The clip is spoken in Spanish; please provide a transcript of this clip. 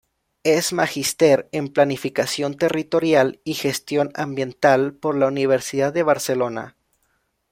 Es magister en Planificación Territorial y Gestión Ambiental por la Universidad de Barcelona.